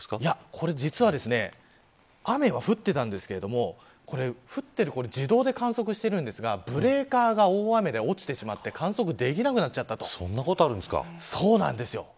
これ実は雨は降ってたんですけど自動で観測しているんですがブレーカーが大雨で落ちてしまってそんなこと、あるんですか。